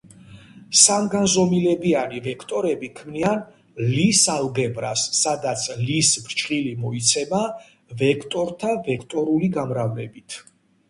სამგანზომილებიანი ვექტორები ქმნიან ლის ალგებრას, სადაც ლის ფრჩხილი მოიცემა ვექტორთა ვექტორული გამრავლებით.